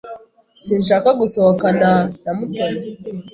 Sinshaka gusohokana na Mutoni.